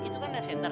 itu kan ada center